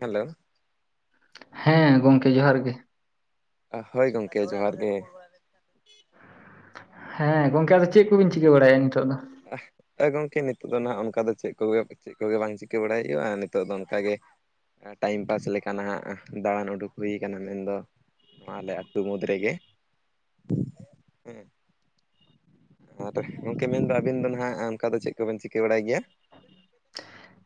Hello. ᱦᱮᱸ ᱜᱚᱢᱠᱮ ᱡᱚᱸᱦᱟᱨ ᱜᱮ᱾ ᱦᱳᱭ ᱜᱚᱢᱠᱮ ᱡᱚᱸᱦᱟᱨ ᱜᱮ᱾ ᱦᱮᱸ ᱜᱚᱢᱠᱮ ᱟᱫᱚ ᱪᱮᱫ ᱠᱚᱵᱤᱱ ᱪᱤᱠᱟᱹ ᱵᱟᱲᱟᱭᱮᱫ-ᱟ ᱱᱤᱛᱚᱜ ᱫᱚ? [inaudible] ᱮ ᱜᱚᱢᱠᱮ ᱱᱤᱛᱚᱜ ᱫᱚ ᱱᱟᱦᱟᱜ ᱚᱱᱠᱟ ᱫᱚ ᱪᱮᱫ ᱠᱚᱜᱮ ᱪᱮᱫ ᱠᱚᱜᱮ ᱵᱟᱝ ᱪᱤᱠᱟᱹ ᱵᱟᱲᱟᱭ ᱦᱩᱭᱩᱜᱼᱟ ᱟᱨ ᱱᱤᱛᱚᱜ ᱫᱚ ᱚᱱᱠᱟᱜᱮ ᱴᱟᱭᱤᱢ ᱯᱟᱥ ᱞᱮᱠᱟ ᱱᱟᱦᱟᱜ ᱫᱟᱬᱟᱱ ᱩᱰᱩᱠ ᱦᱩᱭ ᱠᱟᱱᱟ ᱢᱮᱱᱫᱚ ᱟᱞᱮ ᱟᱛᱩ ᱢᱩᱫᱽ ᱨᱮ ᱜᱮ᱾ ᱟᱨ ᱜᱚᱢᱠᱮ ᱢᱮᱱᱫᱚ ᱟᱵᱤᱱ ᱫᱚ ᱱᱟᱦᱟᱜ ᱚᱱᱠᱟ ᱫᱚ ᱪᱮᱫ ᱠᱚᱵᱤᱱ ᱪᱤᱠᱟᱹ ᱵᱟᱲᱟᱭ ᱜᱮᱭᱟ?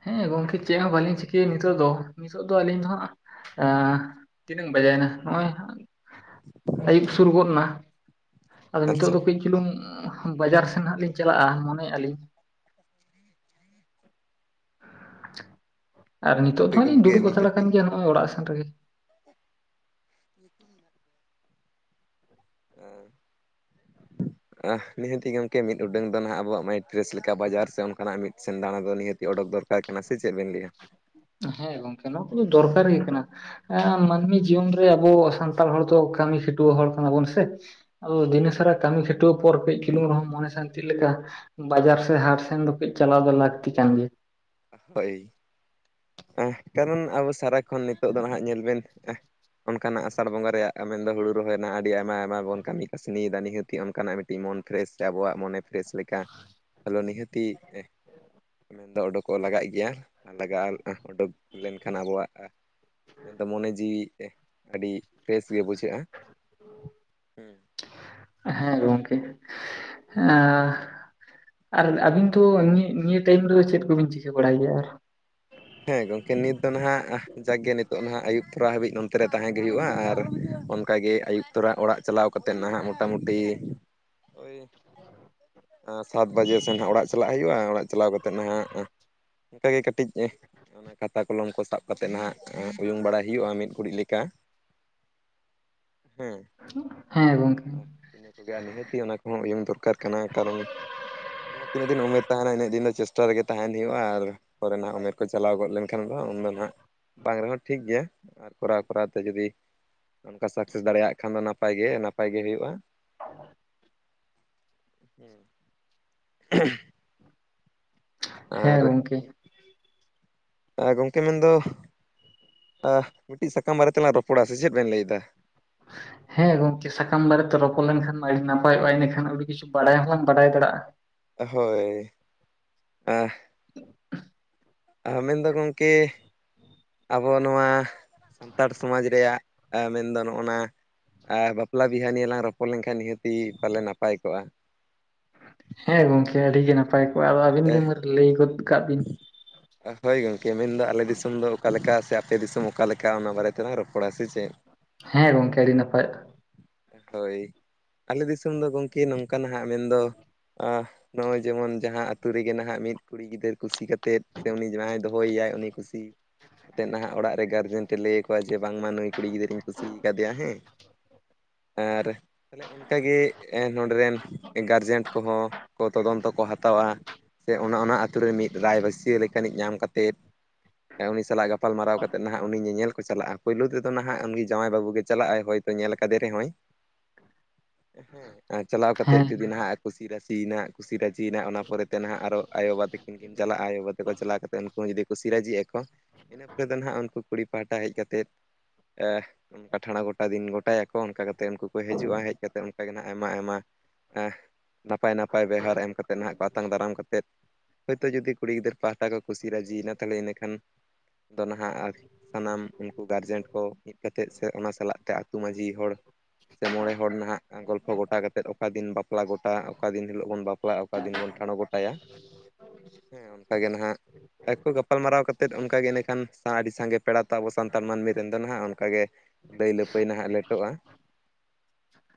ᱦᱮᱸ ᱜᱚᱢᱠᱮ ᱪᱮᱫ ᱦᱚᱸ ᱵᱟᱹᱞᱤᱧ ᱪᱤᱠᱟᱹᱭᱟ ᱱᱤᱛᱚᱜ ᱫᱚ᱾ ᱱᱤᱛᱚᱜ ᱫᱚ ᱟᱹᱞᱤᱧ ᱫᱚ ᱦᱟᱸᱜ ᱟᱸ ᱛᱤᱱᱟᱹᱜ ᱵᱟᱡᱟᱣᱮᱱᱟ ᱱᱚᱜᱼᱚᱭ ᱟᱭᱩᱵ ᱥᱩᱨ ᱜᱚᱫ ᱮᱱᱟ ᱟᱫᱚ ᱱᱤᱛᱳᱜ ᱟᱪᱪᱷᱟ ᱫᱚ ᱠᱟᱹᱡ ᱪᱩᱞᱩᱝ ᱵᱟᱡᱟᱨ ᱥᱮᱱ ᱦᱟᱸᱜ ᱞᱤᱧ ᱪᱟᱞᱟᱜᱼᱟ ᱢᱚᱱᱮᱭᱮᱫᱼᱟ ᱞᱤᱧ᱾ ᱟᱨ ᱱᱤᱛᱚᱜ ᱫᱚ ᱦᱳᱭ ᱦᱟᱸᱜ ᱞᱤᱧ ᱜᱚᱢᱠᱮ ᱫᱩᱲᱩᱵ ᱦᱟᱛᱟᱲ ᱱᱤᱦᱟᱹᱛᱤ ᱟᱠᱟᱱ ᱜᱮᱭᱟ ᱱᱚᱜ ᱚᱭ ᱚᱲᱟᱜ ᱥᱮᱱᱨᱮᱜᱮ᱾ [inaudible] [inaudible] ᱟᱦ ᱱᱤᱦᱟᱹᱛᱤ ᱜᱮ ᱜᱚᱢᱠᱮ ᱢᱤᱫ ᱩᱰᱟᱹᱝ ᱫᱚ ᱱᱟᱦᱟᱜ ᱟᱵᱚᱣᱟᱜ ᱢᱟᱭᱤᱱᱰ ᱯᱷᱨᱮᱥ ᱞᱮᱠᱟ ᱵᱟᱡᱟᱨ ᱥᱮ ᱚᱱᱠᱟᱱᱟᱜ ᱢᱤᱫ ᱥᱮ ᱫᱟᱬᱟᱸ ᱫᱚ ᱱᱤᱟᱹᱛᱤ ᱫᱚ ᱚᱰᱚᱠ ᱫᱚᱨ ᱠᱟᱨ ᱠᱟᱱᱟ ᱥᱮ ᱪᱮᱫ ᱵᱮᱱ ᱞᱟᱹᱭᱟ? ᱦᱮᱸ ᱜᱚᱢᱠᱮ ᱱᱚᱣᱟ ᱠᱚᱫᱚ ᱫᱚᱨᱠᱟᱨ ᱜᱮ ᱠᱟᱱᱟ᱾ ᱮᱸ ᱢᱟᱹᱱᱢᱤ ᱡᱤᱭᱚᱱ ᱨᱮ ᱟᱵᱚ ᱥᱟᱱᱛᱟᱲ ᱦᱚᱲ ᱫᱚ ᱠᱟᱹᱢᱤ ᱠᱷᱟᱹᱴᱩᱣᱟᱹ ᱦᱚᱲ ᱠᱟᱱᱟ ᱵᱚᱱ ᱥᱮ᱾ ᱟᱫᱚ ᱫᱤᱱᱟᱹᱥᱟᱨᱟ ᱠᱟᱹᱢᱤ ᱠᱷᱟᱹᱴᱣᱟᱹ ᱯᱚᱨ ᱠᱟᱹᱡ ᱪᱩᱞᱩᱝ ᱨᱮᱦᱚᱸ ᱢᱚᱱᱮ ᱥᱟᱱᱛᱤ ᱞᱮᱠᱟ ᱵᱟᱡᱟᱨ ᱥᱮᱫ ᱦᱟᱴ ᱥᱮᱱ ᱫᱚ ᱠᱟᱹᱡ ᱪᱟᱞᱟᱣ ᱫᱚ ᱞᱟᱹᱠᱛᱤ ᱠᱟᱱ ᱜᱮᱭᱟ᱾ ᱦᱳᱭ ᱟᱦ ᱠᱟᱨᱚᱱ ᱟᱵᱚ ᱥᱟᱨᱟᱠᱷᱚᱱ ᱱᱤᱛᱚᱜ ᱫᱚ ᱱᱟᱦᱟᱜ ᱧᱮᱞ ᱵᱮᱱ ᱟᱦ᱾ ᱚᱱᱠᱟᱱᱟᱜ ᱟᱥᱟᱲ ᱵᱚᱸᱜᱟ ᱨᱮᱭᱟᱜ ᱢᱮᱱᱫᱚ ᱦᱩᱲᱩ ᱨᱚᱦᱚᱭ ᱨᱮᱱᱟᱜ ᱟᱹᱰᱤ ᱟᱭᱢᱟ ᱟᱭᱢᱟ ᱵᱚᱱ ᱠᱟᱹᱢᱤ ᱠᱟᱥᱱᱤᱭᱮᱫᱟ ᱱᱤᱦᱟᱹᱛᱤ ᱚᱱᱠᱟᱱᱟᱜ ᱢᱤᱫ ᱢᱚᱱ ᱯᱷᱨᱮᱥ ᱥᱮ ᱟᱵᱚᱣᱟᱜ ᱢᱚᱱᱮ ᱯᱷᱨᱮᱥ ᱞᱮᱠᱟ ᱟᱞᱚ ᱱᱤᱦᱟᱹᱛᱤ [inaudible] ᱢᱮᱱᱫᱚ ᱩᱰᱩᱠᱚᱜ ᱞᱟᱜᱟᱜ ᱜᱮᱭᱟ ᱟᱨ ᱞᱟᱜᱟᱜᱼᱟ ᱩᱰᱩᱠ ᱞᱮᱱᱠᱷᱟᱱ ᱟᱵᱚᱣᱟᱜ ᱢᱮᱱᱫᱚ ᱢᱚᱱᱮ ᱡᱤᱣᱤ ᱟᱹᱰᱤ ᱯᱷᱨᱮᱥ ᱜᱮ ᱵᱩᱡᱷᱟᱹᱜᱼᱟ ᱦᱮᱸ᱾ ᱦᱮᱸ ᱜᱚᱢᱠᱮ ᱟ᱾ ᱟᱨ ᱟᱹᱵᱤᱱ ᱫᱚ ᱱᱤᱭᱟᱹ ᱱᱤᱭᱟᱹ ᱴᱟᱭᱤᱢ ᱨᱮᱫᱚ ᱪᱮᱫ ᱠᱚᱵᱤᱱ ᱪᱤᱠᱟᱹ ᱵᱟᱲᱟᱭ ᱜᱮᱭᱟ ᱟᱨ? ᱦᱮᱸ ᱜᱚᱢᱠᱮ ᱱᱤᱛ ᱫᱚ ᱱᱟᱦᱟᱜ ᱟᱦ ᱡᱟᱸᱠᱜᱮ ᱱᱤᱛᱚᱜ ᱱᱟᱦᱟᱜ ᱟᱹᱭᱩᱵ ᱛᱚᱨᱟ ᱦᱟᱹᱵᱤᱡ ᱱᱚᱱᱛᱮ ᱨᱮ ᱛᱟᱦᱮᱸ ᱜᱮ ᱦᱩᱭᱩᱜᱼᱟ ᱟᱨ ᱚᱱᱠᱟᱜᱮ ᱟᱹᱭᱩᱵ ᱛᱚᱨᱟ ᱚᱲᱟᱜ ᱪᱟᱞᱟᱣ ᱠᱟᱛᱮᱫ ᱱᱟᱦᱟᱜ ᱢᱚᱴᱟ ᱢᱩᱴᱤ [inaudible] ᱥᱟᱛ ᱵᱟᱡᱮ ᱥᱮᱱ ᱦᱟᱸᱜ ᱚᱲᱟᱜ ᱪᱟᱞᱟᱜ ᱦᱩᱭᱩᱜᱼᱟ᱾ ᱚᱲᱟᱜ ᱪᱟᱞᱟᱣ ᱠᱟᱛᱮᱫ ᱱᱦᱟᱸᱜ ᱚᱱᱠᱟ ᱜᱮ ᱠᱟᱹᱴᱤᱡ ᱚᱱᱟ ᱠᱷᱟᱛᱟ ᱠᱚᱞᱚᱢ ᱠᱚ ᱥᱟᱵ ᱠᱟᱛᱮᱫ ᱱᱟᱦᱟᱜ ᱩᱭᱩᱝ ᱵᱟᱲᱟᱭ ᱦᱩᱭᱩᱜᱼᱟ ᱢᱤᱫ ᱜᱷᱩᱲᱤᱡ ᱞᱮᱠᱟ᱾ [inaudible] ᱦᱮᱸ ᱜᱚᱝᱠᱮ᱾ ᱱᱤᱦᱟᱹᱛᱤ ᱚᱱᱟ ᱠᱚᱦᱚᱸ ᱩᱭᱩᱝ ᱫᱚᱨᱠᱟᱨ ᱠᱟᱱᱟ᱾ ᱠᱟᱨᱚᱱ ᱡᱟᱦᱟᱸ ᱛᱤᱱᱟᱹᱜ ᱫᱤᱱ ᱩᱢᱮᱨ ᱛᱟᱦᱮᱸᱱᱟ ᱤᱱᱟᱹᱜ ᱫᱤᱱ ᱫᱚ ᱪᱮᱥᱴᱟ ᱨᱮᱜᱮ ᱛᱟᱦᱮᱸᱱ ᱦᱩᱭᱩᱜᱼᱟ ᱟᱨ ᱯᱚᱨᱮ ᱱᱟᱦᱟᱜ ᱩᱢᱮᱨ ᱠᱚ ᱪᱟᱞᱟᱣ ᱜᱚᱫ ᱞᱮᱱᱠᱷᱟᱱ ᱫᱚ ᱦᱟᱸᱜ ᱩᱱ ᱫᱚ ᱱᱟᱦᱟᱜ ᱵᱟᱝ ᱨᱮᱦᱚᱸ ᱴᱷᱤᱠ ᱜᱮᱭᱟ ᱟᱨ ᱠᱚᱨᱟᱣ ᱠᱚᱨᱟᱣ ᱛᱮ ᱡᱩᱫᱤ ᱚᱱᱠᱟ ᱥᱟᱠᱥᱮᱥ ᱫᱟᱲᱮᱭᱟᱜ ᱠᱷᱟᱱ ᱫᱚ ᱱᱟᱯᱟᱭ ᱜᱮ ᱱᱟᱯᱟᱭ ᱜᱮ ᱦᱩᱭᱩᱜᱼᱟ᱾ [inaudible] ᱦᱮᱸ ᱜᱚᱝᱠᱮ ᱟᱨ ᱜᱚᱢᱠᱮ ᱢᱮᱱ ᱫᱚ ᱟᱦ ᱢᱤᱫᱽ ᱴᱤᱡ ᱥᱟᱠᱟᱢ ᱵᱟᱨᱮ ᱛᱮᱞᱟᱝ ᱨᱚᱯᱚᱲᱟ ᱥᱮ ᱪᱮᱫ ᱵᱮᱱ ᱞᱟᱹᱭ ᱫᱟ ᱦ [inaudible] ᱦᱮᱸ ᱜᱚᱸᱠᱮ ᱥᱟᱠᱟᱢ ᱵᱟᱨᱮᱛᱮ ᱨᱚᱯᱚᱲ ᱞᱮᱱ ᱠᱷᱟᱱ ᱢᱟ ᱟᱹᱰᱤ ᱱᱟᱯᱟᱭᱚᱜᱼᱟ ᱤᱱᱟᱹ ᱠᱷᱟᱱ ᱟᱹᱰᱤ ᱠᱤᱪᱷᱩ ᱵᱟᱰᱟᱭᱚᱜᱼᱟ ᱵᱟᱰᱟᱭ ᱵᱟᱲᱟᱜᱼᱟ ᱦᱳᱭ ᱟᱵᱽᱤᱱ ᱫᱚ ᱜᱚᱝᱠᱮ ᱟᱵᱚ ᱱᱚᱣᱟ ᱥᱟᱱᱛᱟᱲ ᱥᱚᱢᱟᱡᱽ ᱨᱮᱭᱟᱜ ᱟᱢᱮᱱᱻᱫᱚ ᱱᱚᱜᱼᱱᱟ ᱟᱨ ᱵᱟᱯᱞᱟ ᱵᱤᱦᱟᱹᱱᱤᱭᱮ ᱞᱟᱝ ᱨᱚᱯᱚᱲ ᱞᱮᱱ ᱠᱷᱟᱱ ᱱᱤᱦᱟᱹᱛᱤ ᱯᱟᱞᱮ ᱱᱟᱯᱟᱭ ᱠᱚᱜᱼᱟ ᱦᱮᱸ ᱜᱚᱝᱠᱮ ᱟᱹᱰᱤ ᱜᱮ ᱱᱟᱯᱟᱭ ᱠᱚᱜᱼᱟ ᱟᱫᱚ ᱟᱹᱵᱤᱱ ᱜᱮ ᱢᱟᱹᱨ ᱞᱟᱹᱭ ᱜᱚᱫ ᱠᱟᱜ ᱵᱤᱱ ᱦᱳᱭ ᱜᱚᱝᱠᱮ ᱢᱮᱱᱫᱚ ᱟᱞᱮ ᱫᱤᱥᱚᱢ ᱫᱚ ᱚᱠᱟ ᱞᱮᱠᱟ ᱥᱮ ᱟᱯᱮ ᱫᱤᱥᱚᱢ ᱚᱠᱟ ᱞᱮᱠᱟ ᱚᱱᱟ ᱵᱟᱨᱮ ᱛᱮᱞᱟᱝ ᱨᱚᱯᱚᱲᱟ ᱥᱮ ᱪᱮᱫ ᱦᱮᱸ ᱜᱚᱝᱠᱮ ᱟᱹᱰᱤ ᱱᱟᱯᱟᱭᱚᱜᱼᱟ ᱦᱳᱭ ᱟᱞᱮ ᱫᱤᱥᱚᱢ ᱫᱚ ᱜᱚᱝᱠᱮ ᱱᱚᱝᱠᱟᱱᱟ ᱦᱟᱸᱜ ᱢᱮᱱ ᱫᱚ ᱟᱸᱦ ᱱᱚᱜᱼᱚᱭ ᱡᱮᱢᱚᱱ ᱡᱟᱦᱟᱸ ᱟᱛᱳ ᱨᱮ ᱜᱮ ᱢᱤᱫ ᱠᱩᱲᱤ ᱜᱤᱫᱟᱹᱨ ᱠᱩᱥᱤ ᱠᱟᱛᱮᱫ ᱥᱮ ᱩᱱᱤ ᱡᱟᱦᱟᱸᱭ ᱫᱚᱦᱚᱭ ᱮᱭᱟᱭ ᱩᱱᱤ ᱠᱩᱥᱤ ᱠᱟᱛᱮᱫ ᱱᱟᱦᱟᱜ ᱚᱲᱟᱜ ᱨᱮ ᱜᱟᱨᱡᱮᱱ ᱴᱷᱮᱡ ᱞᱟᱹᱭ ᱟᱠᱚ ᱦᱚᱭ ᱡᱮ ᱵᱟᱝ ᱢᱟ ᱱᱩᱭ ᱠᱩᱲᱤ ᱜᱤᱫᱽᱨᱟᱹᱧ ᱠᱩᱥᱤ ᱠᱟᱫᱮᱭᱟ ᱦᱮᱸ ᱟᱨ ᱛᱟᱦᱞᱮ ᱚᱱᱠᱟ ᱜᱮ ᱮᱱ ᱱᱚᱸᱰᱮᱨᱮᱱ ᱜᱟᱨᱡᱮᱱ ᱠᱚ ᱦᱚᱸ ᱠᱚ ᱛᱚᱫᱚᱱᱛᱚ ᱠᱚ ᱦᱟᱛᱟᱣᱟ ᱦᱟᱛᱟᱣᱟ ᱥᱮ ᱚᱱᱟ ᱚᱱᱟ ᱟᱹᱛᱩ ᱨᱮ ᱢᱤᱫ ᱨᱟᱭ ᱵᱟᱹᱥᱭᱟᱹ ᱞᱮᱠᱟᱱᱤᱡ ᱧᱟᱢ ᱠᱟᱛᱮᱫ ᱩᱱᱤ ᱥᱟᱞᱟᱜ ᱜᱟᱯᱟᱞ ᱢᱟᱨᱟᱣ ᱠᱟᱛᱮᱫ ᱱᱟᱦᱟᱜ ᱩᱱᱤ ᱥᱟᱞᱟᱜ ᱜᱟᱯᱚᱞ ᱢᱟᱨᱟᱣ ᱠᱟ ᱛᱮᱫ ᱱᱦᱟᱜ ᱩᱱᱤ ᱧᱮᱸᱧᱮᱸᱞ ᱠᱚ ᱪᱟᱞᱟᱜᱼᱟ ᱯᱳᱭᱞᱳ ᱛᱮ ᱫᱚ ᱱᱟᱦᱜ ᱩᱱᱤ ᱡᱟᱶᱟᱭ ᱵᱟᱹᱵᱩ ᱜᱮ ᱪᱟᱞᱟᱜ ᱟᱭ ᱦᱚᱭ ᱛᱚ ᱧᱮᱞ ᱠᱟᱫᱮ ᱨᱮᱦᱚᱸᱭ [inaudible] ᱦᱮᱸ ᱪᱟᱞᱟᱣ ᱠᱟᱛᱮᱫ ᱦᱮᱸ ᱡᱩᱫᱤ ᱱᱟᱦᱟᱜ ᱠᱩᱥᱤ ᱨᱟᱹᱥᱤᱭᱮᱱᱟ ᱠᱩᱥᱤ ᱨᱟᱹᱡᱤᱭᱮᱱᱟ ᱚᱱᱟ ᱯᱚᱨᱮ ᱛᱮ ᱱᱟᱦᱟᱜ ᱟᱨᱚ ᱟᱭᱳ ᱵᱟᱵᱟ ᱛᱤᱠᱤᱱ ᱩᱱᱠᱤᱱ ᱠᱤᱱ ᱪᱟᱞᱟᱜᱼᱟ ᱟᱭᱳ ᱵᱟᱵᱟ ᱛᱮ ᱠᱚ ᱪᱟᱞᱟᱣ ᱠᱟᱛᱮ ᱩᱱᱠᱩ ᱦᱚᱸ ᱡᱩᱫᱤ ᱠᱩᱥᱤ ᱨᱟᱹᱡᱤᱜ ᱟᱠᱚ ᱤᱱᱟᱹ ᱯᱚᱨᱮ ᱫᱚ ᱱᱦᱟᱸᱜ ᱩᱱᱠᱩ ᱠᱩᱲᱤ ᱯᱟᱦᱴᱟ ᱦᱮᱡ ᱠᱟᱛᱮᱫ ᱚᱱᱠᱟ ᱴᱷᱟᱬᱚᱸ ᱜᱚᱴᱟ ᱫᱤᱱ ᱜᱚᱴᱟᱭᱟᱠᱚ ᱚᱱᱠᱟ ᱠᱟᱛᱮᱫ ᱩᱱᱠᱩ ᱠᱚ ᱦᱤᱡᱩᱜᱼᱟ ᱦᱮᱡ ᱠᱟᱛᱮᱫ ᱚᱱᱠᱟ ᱜᱮ ᱟᱭᱢᱟ-ᱟᱭᱢᱟ ᱱᱟᱯᱟᱭ ᱱᱟᱯᱟᱭ ᱵᱮᱣᱦᱟᱨ ᱮᱢ ᱠᱟᱛᱮᱫ ᱱᱦᱟᱜ ᱠᱚ ᱟᱛᱟᱝ ᱫᱟᱨᱟᱢ ᱠᱟᱛᱮᱫ ᱦᱳᱭᱛᱳ ᱡᱩᱫᱤ ᱠᱩᱲᱤ ᱜᱤᱫᱽᱟᱹᱨ ᱯᱟᱦᱴᱟ ᱠᱚ ᱠᱩᱥᱤ ᱨᱟᱹᱡᱤᱭᱱᱟ ᱛᱟᱦᱚᱞᱮ ᱤᱱᱟᱹ ᱠᱷᱟᱱ ᱫᱚ ᱱᱟᱦᱟᱜ ᱟᱨ ᱥᱟᱱᱟᱢ ᱩᱱᱠᱩ ᱜᱟᱨᱡᱮᱱ ᱠᱚ ᱢᱤᱫ ᱠᱟᱛᱮᱫ ᱥᱮ ᱚᱱᱟ ᱥᱟᱞᱟᱜ ᱛᱮ ᱟᱹᱛᱩ ᱢᱟᱺᱡᱷᱤ ᱦᱚᱲ ᱥᱮ ᱢᱚᱬᱮ ᱦᱚᱲ ᱱᱟᱦᱟᱜ ᱜᱚᱞᱯᱷᱚ ᱜᱚᱴᱟ ᱠᱟᱛᱮᱫ ᱚᱠᱟ ᱫᱤᱱ ᱵᱟᱯᱞᱟ ᱜᱚᱴᱟ ᱚᱠᱟ ᱫᱤᱱ ᱦᱤᱞᱚᱜ ᱵᱚᱱ ᱵᱟᱯᱞᱟᱜ ᱵᱟᱯᱞᱟ ᱚᱠᱟ ᱫᱤᱱ ᱵᱚᱱ ᱴᱟᱬᱚ ᱜᱚᱴᱟᱭᱟ ᱦᱮᱸ ᱚᱱᱠᱟ ᱜᱮ ᱱᱦᱟᱜ ᱟᱠᱚ ᱜᱟᱯᱟᱞ ᱢᱟᱨᱟᱣ ᱠᱟᱛᱮᱫ ᱚᱱᱠᱟ ᱜᱮ ᱤᱱᱟᱹ ᱠᱷᱟᱱ ᱥᱟ ᱟᱹᱰᱤ ᱥᱟᱸᱜᱮ ᱯᱮᱲᱟ ᱛᱟᱵᱚ ᱟᱵᱚ ᱥᱟᱱᱛᱟᱲ ᱢᱟᱹᱱᱢᱤ ᱨᱮᱱ ᱫᱚ ᱱᱦᱟᱜ ᱚᱱᱠᱟ ᱜᱮ ᱫᱟᱹᱭ ᱞᱟᱹᱯᱟᱹᱭ ᱱᱦᱟᱜ ᱞᱮᱴᱚᱜᱼᱟ [inaudible]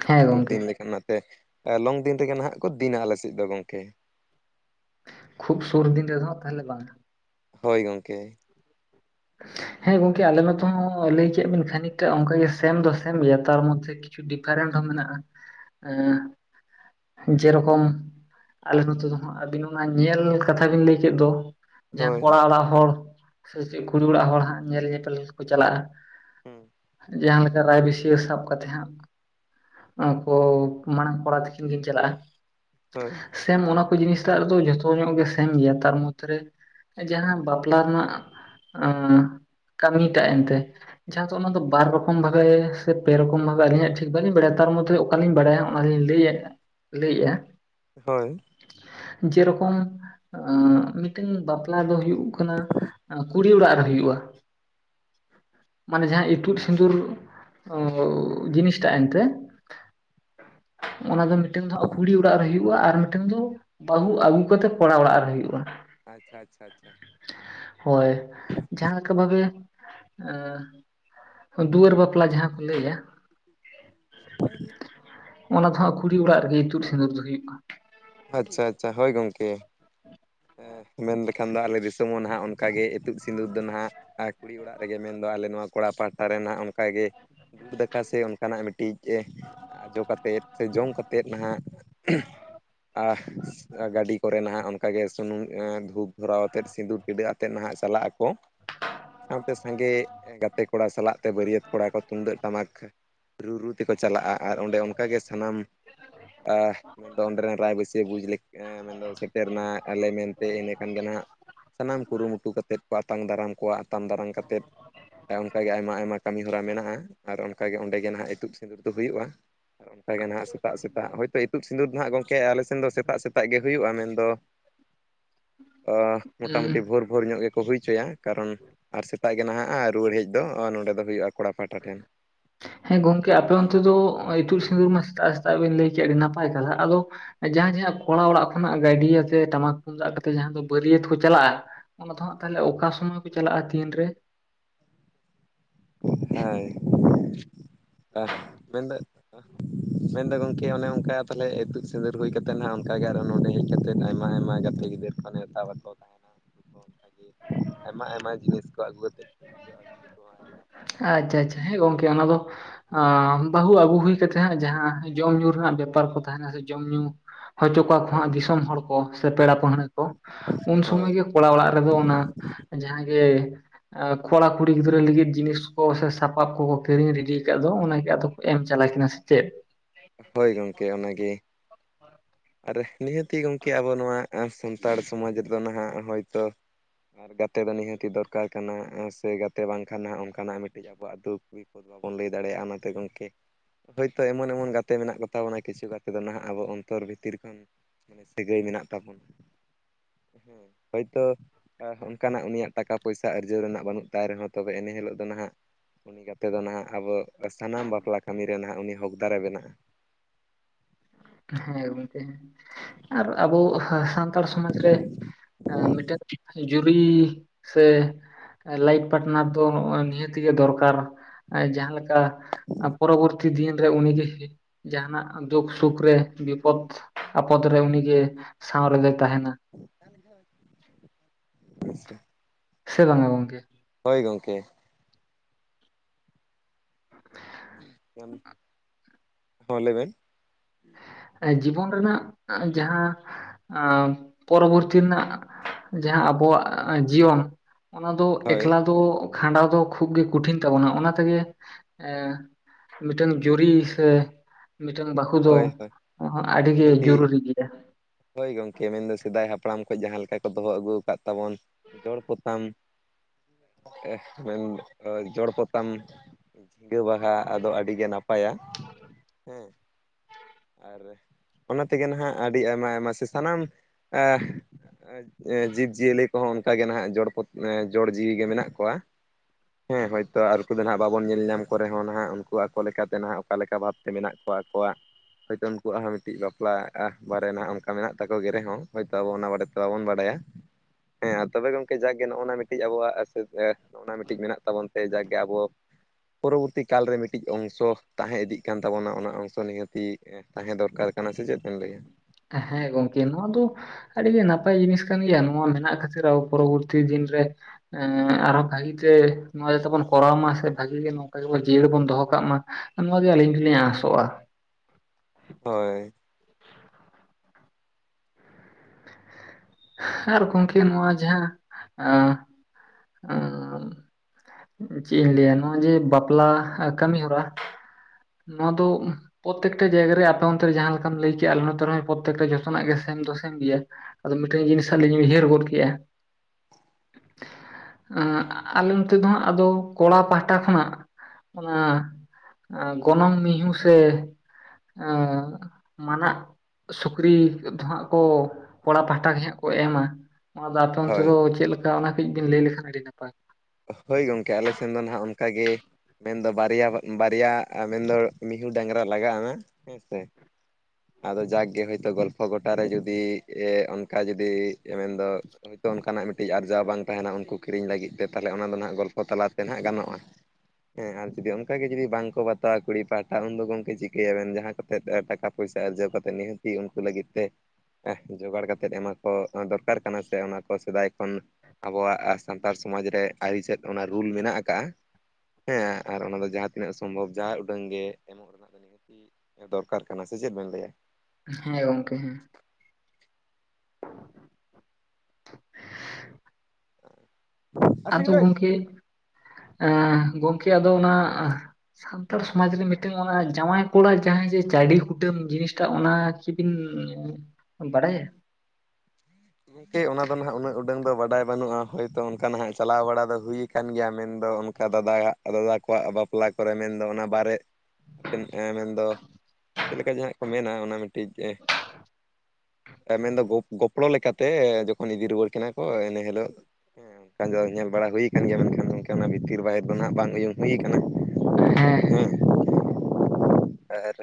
ᱦᱩᱸ ᱦᱮᱸ ᱥᱩᱨ ᱜᱚᱝᱠᱮ ᱫᱤᱱ ᱞᱮᱠᱟᱱᱟᱜ ᱛᱮ ᱟᱞᱚᱝ ᱫᱤᱱ ᱨᱮᱜᱮ ᱱᱦᱟᱜ ᱠᱚ ᱫᱤᱱᱟ ᱟᱞᱮ ᱥᱮᱫ ᱫᱚ ᱜᱚᱝᱠᱮ ᱠᱷᱩᱵ ᱥᱩᱨ ᱫᱤᱱ ᱨᱮᱻᱫᱚ ᱦᱟᱸᱜ ᱛᱟᱦᱚᱞᱮ ᱵᱟᱝᱟ ᱦᱳᱭ ᱜᱚᱝᱠᱮ ᱦᱮᱸ ᱜᱚᱝᱠᱮ ᱟᱞᱮ ᱱᱚᱛᱮ ᱦᱚᱸ ᱞᱟᱹᱭ ᱠᱮᱫ ᱵᱤᱱ ᱠᱷᱟᱹᱭᱱᱤᱠ ᱛᱮ ᱚᱱᱠᱟ ᱜᱮ ᱥᱮᱢ ᱫᱚ ᱥᱮᱢ ᱜᱮ ᱛᱟᱨ ᱢᱚᱫᱽᱷᱮ ᱠᱤ ᱪᱷᱩᱴᱦᱤ ᱯᱷᱟᱨᱮᱢ ᱛᱟᱢ ᱢᱮᱱᱟᱜᱼᱟ᱾ ᱡᱮᱨᱚᱠᱚᱢ ᱟᱞᱮ ᱱᱚᱛᱮ ᱫᱚ ᱱᱦᱟᱸᱜ, ᱟᱹᱵᱤᱱ ᱚᱱᱟ ᱧᱮᱞ ᱠᱟᱛᱷᱟ ᱵᱤᱱ ᱞᱟᱹᱭ ᱠᱮᱫ ᱫᱚ ᱡᱟᱸᱦᱟᱸ ᱦᱳᱭ ᱠᱚᱲᱟ ᱚᱲᱟᱜ ᱦᱚᱲ ᱥᱮ ᱪᱮᱜ ᱠᱩᱲᱤ ᱚᱲᱟᱜ ᱦᱚᱲ ᱦᱟᱸᱜ ᱧᱮᱞ ᱧᱮᱯᱮᱞ ᱠᱚ ᱪᱟᱞᱟᱜᱼᱟ᱾ ᱦᱩᱸ ᱡᱟᱦᱟᱸ ᱞᱮᱠᱟ ᱨᱟᱭᱵᱟᱹᱥᱤᱭᱟᱹ ᱥᱟᱵ ᱠᱟᱛᱮ ᱦᱟᱸᱜ᱾ ᱩᱝᱠᱩ ᱢᱟᱲᱟᱝ ᱠᱚᱲᱟ ᱛᱤᱠᱤᱱ ᱠᱤᱱ ᱪᱟᱞᱟᱜᱼᱟ᱾ ᱦᱳᱭ ᱾ ᱥᱮᱢ ᱚᱱᱟ ᱠᱚ ᱡᱤᱱᱤᱥᱴᱟᱜ ᱨᱮᱫᱚ ᱡᱷᱚᱛᱚ ᱧᱚᱜ ᱜᱮ ᱥᱮᱢ ᱜᱮᱭᱟ, ᱛᱟᱨ ᱢᱚᱫᱽᱫᱷᱮ ᱨᱮ ᱡᱟᱦᱟᱸ ᱵᱟᱯᱞᱟ ᱨᱮᱱᱟᱜ ᱠᱟᱹᱢᱤᱴᱟᱜ ᱮᱱᱛᱮ ᱡᱟᱦᱟᱸ ᱫᱚ ᱚᱱᱟ ᱫᱚ ᱵᱟᱨ ᱨᱚᱠᱚᱢ ᱵᱷᱟᱵᱮ ᱥᱮ ᱯᱮ ᱨᱚᱠᱚᱢ ᱵᱷᱟᱵᱮ ᱟᱹᱞᱤᱧᱟᱜ ᱴᱷᱤᱠ ᱵᱟᱹᱞᱤᱧ ᱵᱟᱲᱟᱭᱟ ᱾ ᱛᱟᱨ ᱢᱚᱫᱽᱫᱷᱮ ᱵᱟᱞᱤᱧ ᱵᱟᱲᱟᱭᱟ ᱚᱱᱟᱞᱤᱧ ᱞᱟᱹᱭᱟᱜᱼᱟ ᱞᱟᱹᱭᱮᱜᱼᱟ ᱦᱳᱭ ᱾ ᱡᱮᱨᱚᱠᱚᱢ ᱢᱤᱴᱟᱹᱱ ᱵᱟᱯᱞᱟ ᱫᱚ ᱦᱩᱭᱩᱜ ᱠᱟᱱᱟ ᱠᱩᱲᱤ ᱚᱲᱟᱜ ᱨᱮ ᱦᱩᱭᱩᱜᱼᱟ᱾ ᱢᱟᱱᱮ ᱡᱟᱦᱟᱸ ᱤᱸᱛᱩᱫ ᱥᱤᱸᱫᱩᱨ ᱡᱤᱱᱤᱥᱴᱟᱜ ᱮᱱᱛᱮ ᱚᱱᱟ ᱫᱚ ᱢᱤᱜᱴᱮᱱ ᱫᱚ ᱦᱟᱸᱜ ᱠᱩᱲᱤ ᱚᱲᱟᱜ ᱨᱮ ᱦᱩᱭᱩᱜᱼᱟ ᱟᱨ ᱢᱤᱜᱴᱮᱱ ᱫᱚ ᱵᱟᱦᱩ ᱟᱹᱜᱩ ᱠᱟᱛᱮ ᱠᱚᱲᱟ ᱚᱲᱟᱜ ᱨᱮ ᱦᱩᱭᱩᱜᱼᱟ᱾ ᱟᱪᱪᱷᱟ ᱟᱪᱪᱷᱟ ᱟᱪᱪᱷᱟ ᱾ ᱦᱳᱭ, ᱡᱟᱦᱟᱸ ᱞᱮᱠᱟ ᱵᱷᱟᱵᱮ ᱮᱸ ᱫᱩᱣᱟᱹᱨ ᱵᱟᱯᱞᱟ ᱡᱟᱦᱟᱸ ᱠᱚ ᱞᱟᱹᱭᱟ [inaudible] ᱚᱱᱟ ᱫᱚ ᱦᱟᱸᱜ ᱠᱩᱲᱤ ᱚᱲᱟᱜ ᱨᱮᱜᱮ ᱤᱛᱩᱫ ᱥᱤᱸᱫᱩᱨ ᱫᱚ ᱦᱩᱭᱩᱜᱼᱟ ᱾ ᱟᱪᱪᱷᱟ, ᱟᱪᱪᱷᱟ, ᱦᱳᱭ ᱜᱚᱝᱠᱮ᱾ ᱦᱮᱸ, ᱢᱮᱱ ᱞᱮᱠᱷᱟᱱ ᱫᱚ ᱟᱞᱮ ᱫᱤᱥᱚᱢ ᱦᱚᱸ ᱱᱟᱦᱟᱜ ᱚᱱᱠᱟᱜᱮ ᱤᱛᱩᱫ ᱥᱤᱸᱫᱩᱨ ᱫᱚ ᱱᱟᱦᱟᱜ ᱟ ᱠᱩᱲᱤ ᱚᱲᱟᱜ ᱨᱮᱜᱮ ᱢᱮᱱᱫᱚ ᱟᱞᱮ ᱱᱚᱣᱟ ᱠᱚᱲᱟ ᱯᱟᱣᱴᱷᱟ ᱨᱮᱱ ᱦᱟᱸᱜ ᱚᱱᱠᱟᱜᱮ ᱜᱩᱲ ᱫᱟᱠᱟ ᱥᱮ ᱚᱱᱠᱟᱱᱟᱜ ᱢᱤᱜᱴᱤᱡ ᱟᱡᱚ ᱠᱟᱛᱮᱫ ᱥᱮ ᱡᱚᱢ ᱠᱟᱛᱮᱫ ᱱᱟᱦᱟᱜ ᱟᱜ ᱜᱟᱹᱰᱤ ᱠᱚᱨᱮ ᱱᱟᱦᱟᱜ ᱚᱱᱠᱟᱜᱮ ᱥᱩᱱᱩᱢ ᱟᱸ ᱫᱷᱩᱯ ᱫᱷᱚᱨᱟᱣ ᱟᱛᱮᱫ ᱥᱤᱸᱫᱩᱨ ᱴᱤᱰᱟᱹᱜ ᱟᱛᱮᱫ ᱱᱟᱦᱟᱜ ᱪᱟᱞᱟᱜ ᱟᱠᱚ ᱾ ᱥᱟᱶᱛᱮ ᱥᱟᱸᱜᱮ ᱜᱟᱛᱮ ᱠᱚᱲᱟ ᱥᱟᱞᱟᱜ ᱛᱮ ᱵᱟᱹᱨᱤᱭᱟᱹᱛ ᱠᱚᱲᱟ ᱠᱚ ᱛᱩᱢᱫᱟᱹᱜ ᱴᱟᱢᱟᱠ ᱨᱩ-ᱨᱩ ᱛᱮᱠᱚ ᱪᱟᱞᱟᱜᱼᱟ ᱾ ᱟᱨ ᱚᱸᱰᱮ ᱚᱱᱠᱟᱜᱮ ᱥᱟᱱᱟᱢ ᱟ ᱢᱮᱱᱫᱚ ᱚᱸᱰᱮ ᱨᱮᱱ ᱨᱟᱭᱵᱟᱹᱥᱤᱭᱟᱹ ᱵᱩᱡ ᱞᱮ ᱢᱮᱱᱫᱚ ᱥᱮᱴᱮᱨ ᱱᱟᱭ ᱟᱞᱮ ᱢᱮᱱᱛᱮ ᱤᱱᱟᱹ ᱠᱷᱟᱱ ᱜᱮ ᱱᱟᱦᱟᱜ ᱥᱟᱱᱟᱢ ᱠᱩᱨᱩᱢᱩᱴᱩ ᱠᱟᱛᱮᱫ ᱠᱚ ᱟᱛᱟᱝ ᱫᱟᱨᱟᱢ ᱠᱚᱣᱟ, ᱟᱛᱟᱝ ᱫᱟᱨᱟᱢ ᱠᱟᱛᱮᱫ ᱟᱨ ᱚᱱᱠᱟᱜᱮ ᱟᱭᱢᱟ ᱟᱭᱢᱟ ᱠᱟᱹᱢᱤ ᱦᱚᱨᱟ ᱢᱮᱱᱟᱜᱼᱟ, ᱟᱨ ᱚᱱᱠᱟᱜᱮ ᱚᱸᱰᱮᱜᱮ ᱱᱟᱦᱟᱜ ᱤᱛᱩᱫ ᱥᱤᱸᱫᱩᱨ ᱫᱚ ᱦᱩᱭᱩᱜᱼᱟ ᱾ ᱚᱱᱠᱟᱜᱮ ᱱᱟᱦᱟᱜ ᱥᱮᱛᱟᱜ ᱥᱮᱛᱟᱜ, ᱦᱳᱭᱛᱳ ᱤᱛᱩᱫ ᱥᱤᱸᱩᱨ ᱫᱚ ᱦᱟᱸᱜ ᱜᱚᱝᱠᱮ ᱟᱞᱮ ᱥᱮᱱ ᱫᱚ ᱥᱮᱛᱟᱜ ᱥᱮᱛᱟᱜ ᱜᱮ ᱦᱩᱭᱩᱜᱼᱟ ᱾ ᱢᱮᱱᱫᱚ ᱚᱻ ᱩᱸ ᱢᱚᱴᱟᱢᱩᱴᱤ ᱵᱷᱳᱨ ᱵᱷᱳᱨ ᱧᱚᱜ ᱜᱮᱠᱚ ᱦᱩᱭ ᱪᱚᱭᱟ, ᱠᱟᱨᱚᱱ ᱟᱨ ᱥᱮᱛᱟᱜ ᱜᱮ ᱱᱟᱦᱟᱜᱼᱟ ᱨᱩᱣᱟᱹᱲ ᱦᱮᱡ ᱫᱚ ᱱᱚᱸᱰᱮ ᱫᱚ ᱦᱩᱭᱩᱜᱼᱟ, ᱠᱚᱲᱟ ᱯᱟᱣᱴᱷᱟ ᱴᱷᱮᱱ᱾ ᱦᱮᱸ ᱜᱚᱝᱠᱮ ᱟᱯᱮ ᱚᱱᱛᱮ ᱫᱚ ᱤᱛᱩᱫ ᱥᱤᱸᱫᱩᱨ ᱢᱟ ᱥᱮᱛᱟᱜ ᱥᱮᱛᱟᱜ ᱵᱮᱱ ᱞᱟᱹᱭ ᱠᱮᱜᱼᱟ ᱟᱹᱰᱤ ᱱᱟᱯᱟᱭ ᱠᱟᱛᱷᱟ ᱾ ᱟᱫᱚ ᱡᱟᱦᱟᱸ ᱡᱟᱦᱟᱸ ᱠᱚᱲᱟ ᱚᱲᱟᱜ ᱠᱷᱚᱱᱟᱜ ᱜᱟᱹᱰᱤᱭᱟᱛᱮ ᱴᱟᱢᱟᱠ ᱛᱩᱢᱫᱟᱜ ᱠᱟᱛᱮᱜ ᱡᱟᱦᱟᱸ ᱫᱚ ᱵᱟᱹᱨᱭᱟᱹᱛ ᱠᱚ ᱪᱟᱞᱟᱜᱼᱟ, ᱚᱱᱟ ᱫᱚ ᱦᱟᱸᱜ ᱛᱟᱦᱚᱞᱮ ᱚᱠᱟ ᱥᱚᱢᱚᱭ ᱠᱚ ᱪᱟᱞᱟᱜᱼᱟ, ᱛᱤᱱ ᱨᱮ? ᱦᱮᱸᱭ, ᱢᱮᱱᱫᱚ ᱢᱮᱱ ᱫᱚ ᱜᱚᱝᱠᱮ ᱚᱱᱮ ᱚᱝᱠᱟ ᱛᱟᱦᱚᱞᱮ ᱤᱛᱩᱫ ᱥᱤᱸᱫᱩᱨ ᱦᱩᱭ ᱠᱟᱛᱮᱫ ᱱᱟᱜ ᱚᱱᱠᱟᱜᱮ ᱟᱨᱚ ᱱᱚᱰᱮ ᱦᱮᱡ ᱠᱟᱛᱮᱫ ᱟᱭᱢᱟ ᱟᱭᱢᱟ ᱜᱟᱛᱮ ᱜᱤᱫᱟᱹᱨ ᱱᱮᱣᱛᱟ ᱠᱚ ᱠᱚ ᱛᱟᱦᱮᱱ ᱾ [unintelligible] [inaudible] ᱟᱭᱢᱟ ᱟᱭᱢᱟ ᱡᱤᱱᱤᱥ ᱠᱚ ᱟᱹᱜᱩ ᱠᱟᱛᱮᱫ ᱾ ᱟᱪᱪᱷᱟ, ᱵᱮᱣᱦᱟᱨ ᱟᱪᱪᱷᱟ, ᱦᱮᱸ ᱵᱮᱣᱦᱟᱨ ᱜᱚᱝᱠᱮ ᱠᱚᱣᱟ᱾ ᱚᱱᱟ ᱫᱚ ᱵᱟᱹᱦᱩ ᱟᱹᱜᱩ ᱦᱩᱭ ᱠᱟᱛᱮ ᱦᱟᱸᱜ ᱡᱟᱦᱟᱸ ᱡᱚᱢ ᱧᱩ ᱨᱮᱱᱟᱜ ᱵᱮᱯᱟᱨ ᱠᱚ ᱛᱟᱦᱮᱸᱱᱟ, ᱥᱮ ᱡᱚᱢ ᱧᱩ ᱦᱚᱪᱚ ᱠᱚᱣᱟ ᱠᱚ ᱦᱟᱸᱜ ᱦᱳᱭ ᱫᱤᱥᱚᱢ ᱦᱚᱲ ᱠᱚ ᱥᱮ ᱯᱮᱲᱟ ᱯᱟᱹᱲᱦᱟᱹ ᱠᱚ ᱾ ᱩᱱ ᱥᱚᱢᱚᱭ ᱦᱳᱭ ᱜᱮ ᱠᱚᱲᱟ ᱚᱲᱟᱜ ᱨᱮᱫᱚ ᱚᱱᱟ ᱡᱟᱦᱟᱸᱜ ᱜᱮ ᱮᱸ ᱠᱚᱲᱟ ᱠᱩᱲᱤ ᱜᱤᱫᱽᱨᱟᱹ ᱞᱟᱹᱜᱤᱫ ᱡᱤᱱᱤᱥ ᱠᱚ ᱥᱮ ᱥᱟᱯᱟᱯ ᱠᱚᱠᱚ ᱠᱤᱨᱤᱧ ᱨᱮᱰᱤᱭ ᱠᱟᱜ ᱫᱚ ᱚᱱᱟ ᱜᱮ ᱟᱫᱚ ᱮᱢ ᱪᱟᱞᱟᱭ ᱠᱤᱱᱟ ᱥᱮ ᱪᱮᱫ? ᱦᱳᱭ ᱜᱚᱝᱠᱮ ᱚᱱᱟ ᱜᱮ ᱾ ᱟᱨ ᱱᱤᱦᱟᱹᱛᱤ ᱜᱚᱝᱠᱮ ᱟᱵᱚ ᱱᱚᱣᱟ ᱥᱟᱱᱛᱟᱲ ᱥᱚᱢᱟᱡᱽ ᱨᱮ ᱫᱚ ᱱᱟᱦᱟᱜ ᱦᱚᱭᱛᱳ ᱟᱨ ᱜᱟᱛᱮ ᱫᱚ ᱱᱤᱦᱟᱹᱛᱤ ᱫᱚᱨᱠᱟᱨ ᱠᱟᱱᱟ ᱥᱮ, ᱜᱟᱛᱮ ᱵᱟᱝᱠᱷᱟᱱ ᱱᱟᱦᱟᱜ ᱚᱱᱠᱟᱱᱟᱜ ᱢᱤᱫᱴᱤᱡ ᱟᱵᱚᱣᱟᱜ ᱫᱩᱠ ᱯᱚᱫ ᱵᱟᱵᱚᱱ ᱞᱟᱹᱭ ᱫᱟᱲᱮᱭᱟᱜᱼᱟ ᱚᱱᱟᱛᱮ ᱜᱚᱝᱠᱮ ᱦᱳᱭᱛᱚ ᱮᱢᱚᱱ ᱮᱢᱚᱱ ᱜᱟ ᱛᱮ ᱢᱮᱱᱟᱜ ᱠᱚ ᱛᱟᱵᱚᱱᱟ ᱠᱤᱪᱷᱩ ᱜᱟᱛᱮ ᱫᱚ ᱱᱟᱦᱟᱜ ᱟᱵᱚ ᱚᱱᱛᱚᱨ ᱵᱷᱤᱛᱤᱨ ᱠᱷᱚᱱ ᱢᱟᱱᱮ ᱥᱟᱹᱜᱟᱹᱭ ᱢᱮᱱᱟᱜ ᱛᱟᱵᱚᱱᱟ᱾ ᱦᱩᱸ ᱦᱳᱭᱛᱚ ᱟ ᱚᱱᱠᱟᱱᱟᱜ ᱩᱱᱤᱭᱟᱜ ᱴᱟᱠᱟ ᱯᱚᱭᱥᱟ ᱟᱹᱨᱡᱟᱹᱣ ᱨᱮᱱᱟᱜ ᱵᱟᱹᱱᱩᱜ ᱛᱟᱭ ᱨᱮᱦᱚᱸ ᱛᱚᱵᱮ ᱮᱱᱮ ᱦᱤᱞᱚᱜ ᱫᱚ ᱱᱟᱦᱟᱜ ᱩᱱᱤ ᱜᱟᱛᱮ ᱫᱚ ᱱᱟᱜ ᱟᱵᱚ ᱥᱟᱱᱟᱢ ᱵᱟᱯᱞᱟ ᱠᱟᱹᱢᱤ ᱨᱮ ᱱᱟᱦᱟᱜ ᱩᱱᱤ ᱦᱚᱠ ᱫᱟᱨᱮ ᱵᱮᱱᱟᱜᱼᱟ᱾ ᱦᱮᱸ ᱜᱚᱢᱮ, ᱟᱨ ᱟᱵᱚ [unintelligible] ᱥᱟᱱᱛᱟᱲ ᱥᱚᱢᱟᱡᱽ ᱨᱮ ᱢᱤᱫᱴᱮᱱ ᱡᱩᱨᱤ ᱥᱮ ᱞᱟᱭᱤᱯᱷ ᱯᱟᱴᱱᱟᱨ ᱫᱚ ᱱᱤᱦᱟᱹᱛ ᱜᱮ ᱫᱚᱨᱠᱟᱨ᱾ ᱡᱟᱦᱟᱸᱞᱮᱠᱟ ᱯᱚᱨᱚᱵᱚᱨᱛᱤ ᱫᱤᱱ ᱨᱮ ᱩᱱᱤ ᱜᱮ ᱡᱟᱦᱟᱸᱱᱟᱜ ᱫᱩᱠᱷ ᱥᱩᱠᱷ ᱨᱮ ᱵᱤᱯᱚᱫ ᱟᱯᱚᱫ ᱨᱮ ᱩᱱᱤ ᱜᱮ ᱥᱟᱶ ᱨᱮᱫᱚᱭ ᱛᱟᱦᱮᱸᱱᱟ᱾ [inaudible] ᱥᱮ ᱵᱟᱝ-ᱟ ᱜᱚᱝᱠᱮ? ᱦᱳᱭ, ᱜᱚᱝᱠᱮ᱾ [unintelligible] ᱦᱚᱸ ᱞᱟᱹᱭ ᱢᱮ᱾ ᱡᱤᱵᱚᱱ ᱨᱮᱱᱟᱜ ᱡᱟᱦᱟᱸ ᱟᱸ ᱯᱚᱨᱚᱵᱚᱨᱛᱤ ᱨᱮᱱᱟᱜ ᱡᱟᱦᱟᱸ ᱟᱵᱚᱣᱟᱜ ᱡᱤᱭᱚᱱ ᱚᱱᱟ ᱫᱚ ᱦᱳᱭ ᱮᱠᱞᱟ ᱫᱚ ᱠᱷᱟᱸᱰᱟᱣ ᱫᱚ ᱠᱷᱩᱵ ᱜᱮ ᱠᱩᱴᱷᱤᱱ ᱛᱟᱵᱚᱱ-ᱟ᱾ ᱚᱱᱟ ᱛᱮ ᱜᱮ- ᱮᱸ ᱢᱤᱫᱴᱮᱱ ᱡᱩᱨᱤ ᱥᱮ ᱢᱤᱫᱴᱮᱱ ᱵᱟᱹᱦᱩ ᱫᱚ [inaudible] ᱱᱤᱦᱟ. ᱟᱹᱰᱤᱜᱮ ᱛᱤ ᱡᱚᱨᱩᱨᱤ ᱜᱮᱭᱟ ᱦᱳᱭ, ᱜᱚᱝᱠᱮ ᱢᱮᱱᱫᱚ ᱥᱮᱫᱟᱭ ᱦᱟᱯᱲᱟᱢ ᱠᱷᱚᱡ ᱡᱟᱦᱟᱸ ᱞᱮᱠᱟ ᱠᱚ ᱫᱚᱦᱚ ᱟᱹᱜᱩ ᱠᱟᱫ ᱛᱟᱵᱚᱱ ᱡᱚᱲ ᱯᱚᱛᱟᱢ [inaudible] ᱡᱚᱲ ᱯᱚᱛᱟᱢ ᱡᱚ ᱵᱟᱦᱟ ᱟᱫᱚ ᱟᱹᱰᱤ ᱜᱮ ᱱᱟᱯᱟᱭᱟ ᱦᱮᱸ ᱟᱨ ᱚᱱᱟ ᱛᱮ ᱜᱮ ᱱᱟᱦᱟᱜ ᱟᱹᱰᱤ ᱟᱭᱢᱟ ᱟᱭᱢᱟ ᱥᱮ ᱥᱟᱱᱟᱢ ᱮᱸ ᱡᱤᱵᱽᱼᱡᱤᱭᱟᱹᱞᱤ ᱠᱚᱦᱚᱸ ᱚᱱᱠᱟ ᱜᱮ ᱱᱟᱜ ᱡᱚᱲ ᱯᱚ, ᱡᱚᱲ ᱡᱤᱣᱤ ᱜᱮ ᱢᱮᱱᱟᱜ ᱠᱚᱣᱟ᱾ ᱦᱮᱸ ᱦᱳᱭᱛᱳ ᱟᱨ ᱠᱚᱫᱚ ᱱᱟᱦᱟᱜ ᱵᱟᱵᱚᱱ ᱧᱮᱞ ᱧᱟᱢ ᱠᱚᱨᱮ ᱦᱚᱸ ᱱᱟᱦᱟᱜ ᱩᱱᱠᱩ ᱟᱠᱚ ᱞᱮᱠᱟ ᱛᱮ ᱱᱟᱦᱟᱜ ᱚᱠᱟ ᱞᱮᱠᱟ ᱵᱷᱟ ᱢᱮᱱᱟᱜ ᱠᱚᱣᱟ ᱟᱠᱚᱣᱟᱜ ᱦᱳᱭᱛᱳ ᱩᱱᱠᱩᱣᱟᱜ ᱦᱚᱸ ᱢᱤᱫᱴᱤᱡ ᱵᱟᱯᱞᱟ ᱵᱟᱨᱮ ᱱᱟᱜ ᱚᱱᱠᱟ ᱢᱮᱱᱟᱜ ᱛᱟᱠᱚ ᱜᱮ ᱨᱮᱦᱚᱸ ᱦᱚᱭᱛᱳ ᱟᱵᱚ ᱚᱱᱟ ᱵᱟᱨᱮᱛᱮ ᱵᱟᱵᱚᱱ ᱵᱟᱰᱟᱭᱟ᱾ ᱦᱮᱸ, ᱛᱚᱵᱮ ᱜᱚᱝᱠᱮ ᱡᱟᱜᱮ ᱱᱚᱜᱼᱚ ᱱᱟ ᱢᱤᱫᱴᱤᱡ ᱟᱵᱚᱣᱟ ᱱᱚᱜᱼᱚ ᱱᱟ ᱢᱤᱫᱴᱤᱡ ᱢᱮᱱᱟᱜ ᱛᱟᱵᱚᱱ ᱛᱮ ᱡᱟᱜᱮ ᱟᱵᱚ ᱯᱚᱨᱚᱵᱚᱨᱛᱤ ᱠᱟᱞ ᱨᱮ ᱢᱤᱫᱴᱤᱡ ᱚᱝᱥᱚ ᱛᱟᱦᱮᱸ ᱤᱫᱤᱜ ᱠᱟᱱ ᱛᱟᱵᱚᱱᱟ ᱚᱱᱟ ᱚᱝᱥᱚ ᱱᱤᱦᱟᱹᱛᱤ ᱛᱟᱦᱮᱸ ᱫᱚᱨᱠᱟᱨ ᱠᱟᱱᱟ ᱥᱮ ᱪᱮᱫ ᱵᱮᱱ ᱞᱟᱹᱭ-ᱟ? ᱦᱮᱸ, ᱜᱚᱝᱠᱮ ᱱᱚᱣᱟ ᱫᱚ ᱟᱹᱰᱤ ᱜᱮ ᱱᱟᱯᱟᱭ ᱡᱤᱱᱤᱥ ᱠᱟᱱ ᱜᱮᱭᱟ᱾ ᱱᱚᱣᱟ ᱢᱮᱱᱟᱜ ᱠᱷᱟᱹᱛᱤᱨ ᱟᱵᱚ ᱯᱚᱨᱚᱵᱚᱨᱛᱤ ᱫᱤᱱ ᱨᱮ ᱮᱸ ᱟᱨ ᱦᱚᱸ ᱵᱷᱟᱜᱤᱛᱮ ᱱᱚᱣᱟ ᱡᱟᱛᱮ ᱵᱚᱱ ᱠᱚᱨᱟᱣ ᱢᱟ ᱥᱮ, ᱵᱷᱟᱜᱤ ᱜᱮ ᱱᱚᱝᱠᱟ ᱜᱮᱵᱚᱱ ᱡᱤᱭᱟᱹᱲ ᱵᱚᱱ ᱫᱚᱦᱚᱸ ᱠᱟᱜ ᱢᱟ, ᱱᱚᱣᱟ ᱜᱮ ᱟᱹᱞᱤᱝ ᱫᱚ ᱞᱤᱝ ᱟᱸᱥᱚᱜᱼᱟ᱾ ᱦᱳᱭ ᱟᱨ ᱜᱚᱝᱠᱮ ᱱᱚᱣᱟ ᱡᱟᱦᱟᱸ ᱮᱸᱻ ᱪᱮᱫ ᱤᱧ ᱞᱟᱹᱭᱟ ᱱᱚᱭᱟ ᱡᱮ ᱵᱟᱯᱞᱟ ᱠᱟᱹᱢᱤ ᱦᱚᱨᱟ ᱱᱚᱣᱟ ᱫᱚ ᱯᱨᱚᱛᱛᱮᱠᱴᱟ ᱡᱟᱭᱜᱟ ᱨᱮ ᱟᱯᱮ ᱚᱱᱛᱮ ᱨᱮ ᱡᱟᱦᱟᱸ ᱞᱮᱠᱟᱢ ᱞᱟᱹᱭ ᱠᱮᱜ-ᱟ ᱟᱞᱮ ᱱᱚᱛᱮ ᱨᱮᱦᱚᱸ ᱯᱨᱚᱛᱛᱮᱠᱴᱟ ᱡᱷᱚᱛᱚᱱᱟᱜ ᱜᱮ ᱥᱮᱢ ᱫᱚ ᱥᱮᱢ ᱜᱮᱭᱟ, ᱟᱫᱚ ᱢᱤᱫᱴᱮᱱ ᱡᱤᱱᱤᱥ ᱟᱞᱤᱝ ᱩᱭᱦᱟᱹᱨ ᱜᱚᱫ ᱠᱮᱜᱼᱟ ᱟᱞᱮ ᱱᱚᱛᱮ ᱫᱚ ᱦᱟᱸᱜ ᱟᱫᱚ ᱠᱚᱲᱟ ᱯᱟᱦᱴᱟ ᱠᱷᱚᱱᱟᱜ ᱚᱱᱟ ᱜᱚᱱᱚᱝ ᱢᱤᱦᱩᱸ ᱥᱮ, ᱮᱸ ᱢᱟᱱᱟᱜ ᱥᱩᱠᱨᱤ ᱫᱚ ᱦᱟᱸᱜ ᱠᱚ ᱠᱚᱲᱟ ᱯᱟ [inaudible] ᱦᱟᱸᱜ ᱠᱚ ᱮᱢᱟ ᱚᱱᱟ ᱫᱚ ᱟᱯᱮ ᱚᱱᱛᱮ ᱦᱳᱭ ᱫᱚ ᱪᱮᱫ ᱞᱮᱠᱟ ᱚᱱᱟ ᱠᱟᱹᱡ ᱵᱤᱱ ᱞᱟᱹᱭ ᱞᱮᱠᱷᱟᱱ ᱟᱹᱰᱤ ᱱᱟᱯᱟᱭ ᱠᱚᱼᱟ᱾ ᱦᱳᱭ ᱜᱚᱢᱠᱮ ᱟᱞᱮ ᱥᱮᱱ ᱫᱚ ᱱᱟᱦᱟᱜ ᱚᱱᱠᱟ ᱜᱮ ᱢᱮᱱᱫᱚ ᱵᱟᱨᱮᱭᱟ ᱵᱟᱨᱮᱭᱟ ᱢᱮᱱᱫᱚ ᱢᱤᱦᱩᱸ ᱰᱟᱝᱨᱟ ᱞᱟᱜᱟᱜᱼᱟ ᱦᱮᱸ ᱥᱮ᱾ ᱟᱫᱚ ᱡᱟᱠ ᱜᱮ ᱦᱳᱭ ᱛᱚ ᱜᱚᱞᱯᱚ ᱜᱚᱴᱟ ᱨᱮ ᱡᱩᱫᱤ ᱮ ᱚᱱᱠᱟ ᱡᱩᱫᱤ ᱢᱮᱱᱫᱚ ᱦᱳᱭᱛᱚ ᱚᱱᱠᱟᱱᱟᱜ ᱢᱤᱫᱴᱤᱡ ᱟᱨᱡᱟᱣ ᱵᱟᱝ ᱛᱟᱦᱮᱸᱱᱟ ᱩᱱᱠᱩ ᱠᱤᱨᱤᱧ ᱞᱟᱹᱜᱤᱫ ᱛᱮ᱾ ᱛᱟᱦᱚᱞᱮ ᱚᱱᱟ ᱫᱚ ᱱᱟᱜ ᱜᱚᱞᱯᱚ ᱛᱟᱞᱟᱛᱮ ᱦᱟᱸᱜ ᱜᱟᱱᱚᱜᱼᱟ᱾ ᱦᱮᱸ ᱟᱨ ᱡᱩᱫᱤ ᱚᱱᱠᱟ ᱜᱮ ᱡᱩᱫᱤ ᱵᱟᱝᱠᱚ ᱵᱟᱛᱟᱣᱟ ᱠᱩᱲᱤ ᱯᱟᱦᱴᱟ ᱩᱱᱫᱚ ᱜᱚᱢᱠᱮ ᱪᱤᱠᱟᱹᱭᱟᱵᱮᱱ ᱡᱟᱦᱟᱸ ᱠᱟᱛᱮᱫ ᱴᱟᱠᱟ ᱯᱚᱭᱥᱟ ᱟᱨᱡᱟᱣ ᱠᱟᱛᱮ ᱱᱤᱦᱟᱹᱛᱤ ᱩᱱᱠᱩ ᱞᱟᱹᱜᱤᱫ ᱛᱮ ᱡᱚᱜᱟᱲ ᱠᱟᱛᱮᱫ ᱮᱢᱟ ᱠᱚ ᱫᱚᱨᱠᱟᱨ ᱠᱟᱱᱟ ᱥᱮ ᱚᱱᱟ ᱠᱚ ᱥᱮᱫᱟᱭ ᱠᱷᱚᱱ ᱟᱵᱚᱣᱟᱜ ᱥᱟᱱᱛᱟᱲ ᱥᱚᱢᱟᱡᱽ ᱨᱮ ᱮ ᱟᱹᱨᱤ ᱪᱮᱫ ᱚᱱᱟ ᱨᱩᱞ ᱢᱮᱱᱟᱜ ᱟᱠᱟᱫᱼᱟ᱾ ᱦᱮᱸ ᱟᱨ ᱚᱱᱟ ᱫᱚ ᱡᱟᱦᱟᱸ ᱛᱤᱱᱟᱹᱜ ᱥᱚᱢᱵᱷᱚᱵ ᱡᱟ ᱩᱰᱟᱹᱝ ᱜᱮ ᱮᱢᱚᱜ ᱨᱮ᱾ ᱫᱚᱨᱠᱟᱨ ᱠᱟᱱᱟ ᱥᱮ ᱪᱮᱫ ᱵᱮᱱ ᱞᱟᱹᱭᱟ ᱦᱮᱸ ᱜᱚᱝᱠᱮ ᱦᱮᱸ᱾ ᱟᱫᱚ ᱜᱚᱢᱠᱮ, ᱜᱚᱢᱠᱮ ᱟᱫᱚ ᱚᱱᱟ ᱥᱟᱱᱛᱟᱲ ᱥᱚᱢᱟᱡᱽ ᱨᱮ ᱢᱤᱫᱴᱟᱝ ᱚᱱᱟ ᱡᱟᱶᱟᱭ ᱠᱚᱲᱟ ᱡᱟᱦᱟᱸᱭ ᱡᱮ ᱪᱟᱹᱰᱤ ᱠᱩᱴᱟᱹᱢ ᱡᱤᱱᱤᱥ ᱴᱟᱜ ᱚᱱᱟ ᱠᱤᱵᱤᱱ ᱵᱟᱲᱟᱭᱟ? ᱜᱚᱢᱠᱮ ᱚᱱᱟ ᱫᱚ ᱱᱟᱦᱟᱜ ᱩᱱᱟᱹᱜ ᱩᱰᱟᱹᱝ ᱫᱚ ᱵᱟᱰᱟᱭ ᱵᱟᱹᱱᱩᱜᱼᱟ, ᱦᱳᱭᱛᱳ ᱚᱱᱠᱟ ᱱᱟᱦᱟᱜ ᱪᱟᱞᱟᱣ ᱵᱟᱲᱟ ᱫᱚ ᱦᱩᱭ ᱟᱠᱟᱱ ᱜᱮᱭᱟ, ᱢᱮᱱᱫᱚ ᱫᱟᱫᱟ ᱫᱟᱹᱭ ᱟᱜ ᱫᱟᱫᱟ ᱠᱚᱣᱟᱜ ᱵᱟᱯᱞᱟ ᱠᱚᱨᱮ ᱢᱮᱱᱫᱚ ᱚᱱᱟ ᱵᱟᱨᱮ ᱢᱮᱱᱫᱚ ᱪᱮᱫ ᱞᱮᱠᱟ ᱪᱚ ᱦᱟᱸᱜ ᱠᱚ ᱢᱮᱱᱟ ᱚᱱᱟ ᱢᱤᱫᱴᱤᱡ ᱢᱮᱱᱫᱚ ᱜᱚᱯᱲᱚ ᱞᱮᱠᱟᱛᱮ᱾ ᱛᱮ ᱡᱚᱠᱷᱚᱱ ᱤᱫᱤ ᱨᱩᱣᱟᱹᱲ ᱠᱤᱱᱟ ᱠᱚ ᱤᱱᱟᱹ ᱦᱤᱞᱳᱜ᱾ ᱠᱷᱟᱱ ᱫᱚ ᱧᱮᱞ ᱵᱟᱲᱟ ᱦᱩᱭᱠᱟᱱ ᱜᱮᱭᱟ, ᱢᱮᱱᱠᱷᱟᱱ ᱜᱚᱢᱠᱮ ᱚᱱᱟ ᱵᱷᱤᱛᱤᱨ ᱵᱟᱦᱮᱨ ᱫᱚ ᱱᱟᱜ ᱵᱟᱝ ᱩᱭᱩᱝ ᱦᱩᱭ ᱟᱠᱟᱱᱟ᱾ ᱦᱮᱸ᱾ ᱟᱨ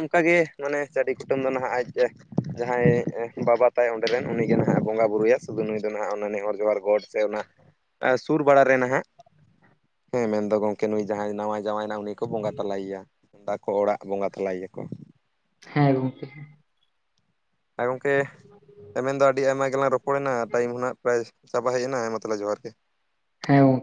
ᱚᱱᱠᱟᱜᱮ ᱢᱟᱱᱮ ᱪᱟᱹᱰᱤ ᱠᱩᱴᱟᱹᱢ ᱫᱚ ᱱᱟᱦᱟᱜ ᱟᱡ ᱡᱟᱦᱟᱸᱭ ᱵᱟᱵᱟ ᱛᱟᱭ ᱚᱸᱰᱮ ᱨᱮᱱ ᱩᱱᱤᱜᱮ ᱱᱟᱦᱟᱜ ᱵᱚᱸᱜᱟ ᱵᱩᱨᱩᱭᱟ ᱥᱩᱫᱷᱩ ᱱᱩᱭ ᱫᱚ ᱱᱟᱦᱟᱜ ᱚᱱᱟ ᱱᱮᱦᱚᱨ ᱡᱚᱦᱟᱨ ᱜᱚᱰ ᱥᱮ ᱚᱱᱟ ᱟᱨ ᱥᱩᱨ ᱵᱟᱲᱟ ᱨᱮ ᱱᱟᱦᱟᱜ, ᱦᱮᱸ ᱢᱮᱱᱫᱚ ᱜᱚᱢᱠᱮ ᱱᱩᱭ ᱡᱟᱦᱟᱸᱭ ᱱᱟᱣᱟᱭ ᱡᱟᱶᱟᱭᱮᱱᱟ ᱩᱱᱤ ᱠᱚ ᱵᱚᱸᱜᱟ ᱛᱟᱞᱟᱭ ᱭᱟ ᱟᱨᱠᱚ ᱚᱲᱟᱜ ᱵᱚᱸᱜᱟ ᱛᱟᱞᱟᱭ ᱮᱭᱟᱠᱚ᱾ ᱦᱮᱸ ᱜᱚᱢᱠᱮ ᱾ ᱟᱨ ᱜᱚᱢᱠᱮ ᱮ ᱢᱮᱱᱫᱚ ᱟᱹᱰᱤ ᱟᱭᱢᱟ ᱜᱮᱞᱟᱝ ᱨᱚᱯᱚᱲ ᱮᱱᱟ ᱴᱟᱭᱤᱢ ᱦᱩᱱᱟᱜ ᱯᱨᱟᱭ ᱪᱟᱵᱟ ᱦᱮᱡ ᱮᱱᱟ ᱦᱮᱢᱟ ᱛᱟᱦᱞᱮ ᱡᱚᱦᱟᱨ ᱜᱮ᱾ ᱦᱮᱸ ᱜᱚᱢᱠᱮ᱾